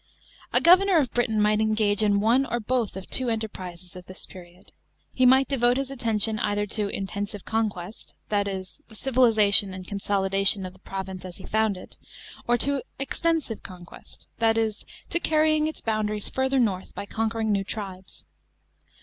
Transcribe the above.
A governor of Britain might, enga'e in one or both of two enterprises at this | eiiod. He might devote his atten tion either to " intensive conquest," that is, the civilisation and consolidation of the province as he found it, or to " extensive conquest," that is, to carrying its boundaries further north by con quering new tribes.